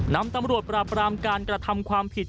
นำตำรวจปราบรามการกระทำความผิด